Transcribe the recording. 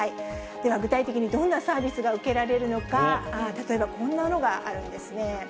では、具体的にどんなサービスが受けられるのか、例えばこんなのがあるんですね。